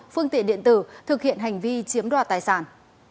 phương tiện điện tử thực hiện hành vi chiếm đoạt tài sản